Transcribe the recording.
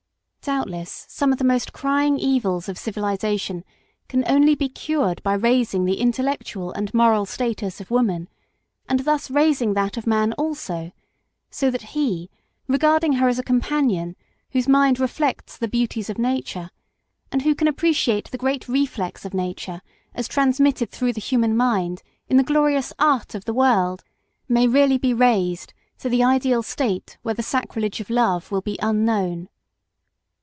Doubtless some of the most crying evils of civilisation can only be cured by raising the intellectual and moral status of woman, and thus raising that of man also, so that he, regarding her as a companion whose mind reflects the beauties of nature, and who can appreciate the great reflex of nature as transmitted through the human mind in the glorious art of the world, may really be raised to the ideal state where the sacrilege of love will be unknown.